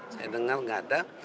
saya dengar gak ada